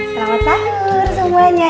selamat sahur semuanya